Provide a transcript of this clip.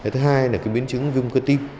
thứ hai là biến chứng viêm cơ tim